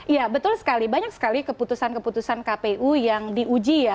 ya betul sekali banyak sekali keputusan keputusan kpu yang diuji ya